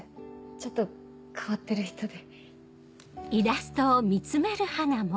ちょっと変わってる人で。